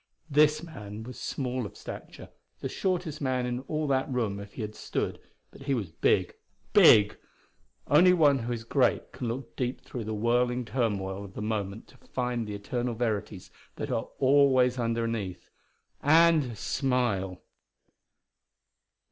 This man was small of stature; the shortest man in all that room if he had stood, but he was big big! Only one who is great can look deep through the whirling turmoil of the moment to find the eternal verities that are always underneath and smile!